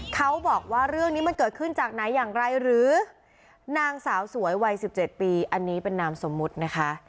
เขาบอกว่าเรื่องนี้มันเกิดขึ้นจากไหนอย่างไรหรือนางสาวสวยวัย๑๗ปีอันนี้เป็นนามสมมุตินะคะ